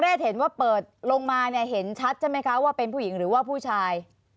เห็นว่าเปิดลงมาเนี่ยเห็นชัดใช่ไหมคะว่าเป็นผู้หญิงหรือว่าผู้ชาย